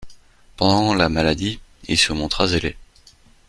Pendant la maladie, il se montra zélé.